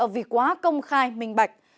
vì quá công khai minh bạch